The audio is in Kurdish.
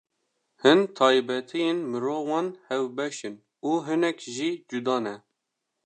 Hin taybetiyên mirovan hevbeş in û hinek jî cuda ne.